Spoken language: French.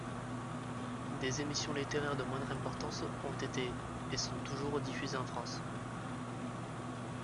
Des émissions littéraires de moindre importance ont été et sont toujours diffusées en France.